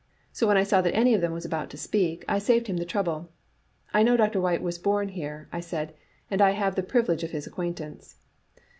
So when I saw that any of them was about to speak, I saved him the trouble. *I know Dr. Whyte was bom here,* I said, *and I have the privilege of his acquaintance.